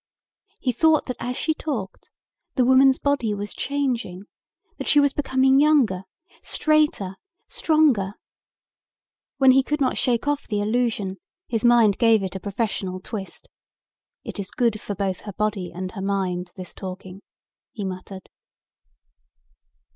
He thought that as she talked the woman's body was changing, that she was becoming younger, straighter, stronger. When he could not shake off the illusion his mind gave it a professional twist. "It is good for both her body and her mind, this talking," he muttered.